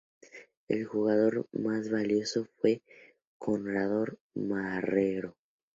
El jugador más valioso fue Conrado Marrero